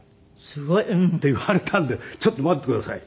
すごい。って言われたんで「ちょっと待ってください」。